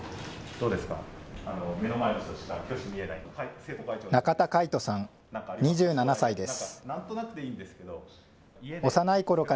どうですか？